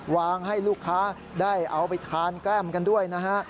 ให้ลูกค้าได้เอาไปทานแก้มกันด้วยนะฮะ